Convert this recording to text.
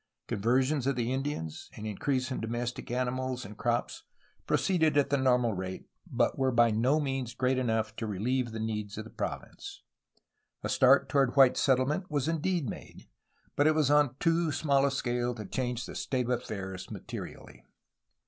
Conversions of Indians and increase in domestic animals and crops proceeded at the normal rate, but were by no means great enough to relieve the needs of the province. A start toward white settlement was indeed made, but it was on too small a scale to change the state of affairs materially.